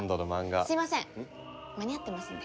すいません間に合ってますんで。